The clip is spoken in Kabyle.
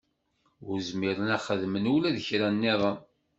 Ur zmiren ad xedmen ula d kra nniḍen.